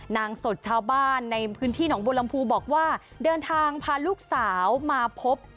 นางสดชาวบ้านในพื้นที่หนองบัวลำพูบอกว่าเดินทางพาลูกสาวมาพบ